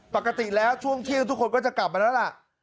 ปกติแล้วช่วงเที่ยงทุกคนก็จะกลับมาแล้วล่ะ